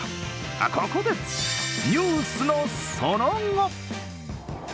ここでニュースのその後。